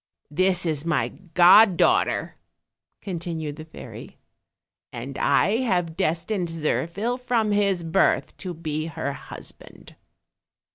"This is my god daughter," continued the fairy, "and I have destined Zirphil from his birth to be her husband."